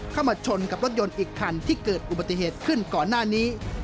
เข้ามาชนกับรถยนต์อีกคันที่เกิดอุบัติเหตุขึ้นก่อนหน้านี้